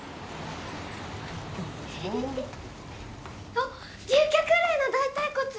あっ竜脚類の大腿骨！